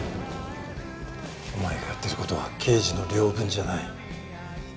お前がやってる事は刑事の領分じゃない。